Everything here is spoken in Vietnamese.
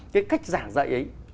cái cách giảng dạy ấy